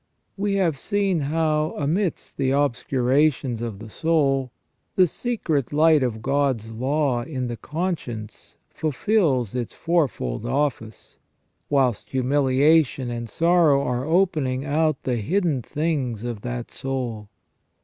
We have seen how, amidst the obscurations of the soul, the secret light of God's law in the con science fulfils its fourfold office, whilst humiliation and sorrow are opening out the hidden things of that soul.